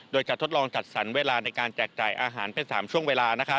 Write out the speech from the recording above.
โดยจะทดลองจัดสรรเวลาในการแจกจ่ายอาหารเป็น๓ช่วงเวลา